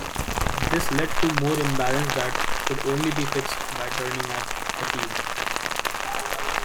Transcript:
This led to more imbalance that could only be fixed by turning off fatigue.